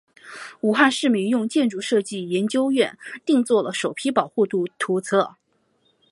武汉市民用建筑设计研究院定做了首批保护图则。